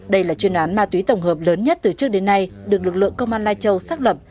đây là chuyên án ma túy tổng hợp lớn nhất từ trước đến nay được lực lượng công an lai châu xác lập